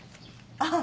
ああ。